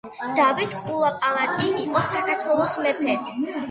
დავით კულაპალატი იყო საქართველოს მეფე